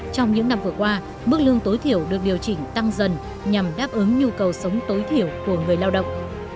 trong những năm vừa qua mức lương tối thiểu được điều chỉnh tăng dần nhằm đáp ứng nhu cầu sống tối thiểu của người lao động